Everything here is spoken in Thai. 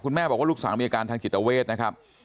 แม่บอกว่าลูกสาวมีอาการทางจิตเวทนะครับ